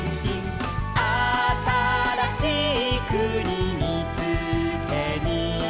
「あたらしいくにみつけに」